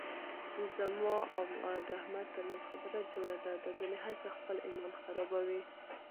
زما او د احمد ترمنځ خبره جوړه ده، دا ځنې هسې خپل ایمان خرابوي.